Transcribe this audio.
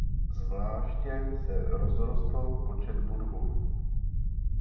Zvláště se rozrostl počet buddhů.